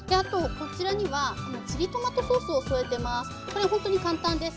こちらにはチリトマトソースを添えてます。